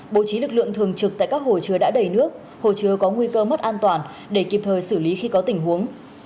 bố trí lực lượng thường trực tại các hồ chứa đã đầy nước hồ chứa có nguy cơ mất an toàn để kịp thời xử lý khi có tình huống